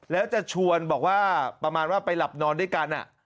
แล้วจะชวนบอกว่าประมาณว่าไปหลับนอนด้วยกัน